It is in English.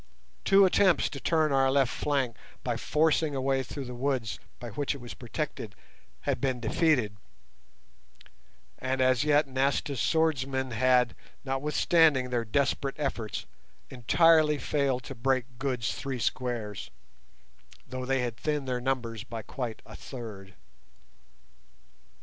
Two attempts to turn our left flank by forcing a way through the wood by which it was protected had been defeated; and as yet Nasta's swordsmen had, notwithstanding their desperate efforts, entirely failed to break Good's three squares, though they had thinned their numbers by quite a third.